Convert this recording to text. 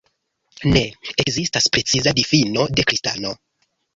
Ne ekzistas preciza difino de kristano.